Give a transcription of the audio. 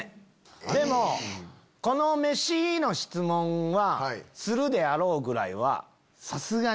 でもこのメシの質問はするであろうぐらいはさすがに。